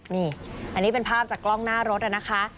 นี่อันนี้เป็นภาพจากกล้องหน้ารถนะคะ